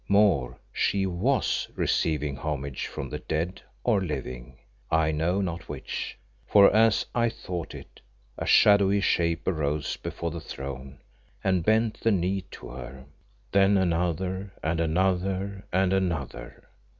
More, she was receiving homage from dead or living I know not which for, as I thought it, a shadowy Shape arose before the throne and bent the knee to her, then another, and another, and another.